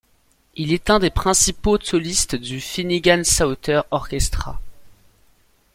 Il est un des principaux solistes du Finnegan-Sauter Orchestra.